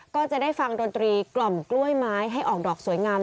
ก็จะได้ฟังดนตรีกล่อมกล้วยไม้ให้ออกดอกสวยงาม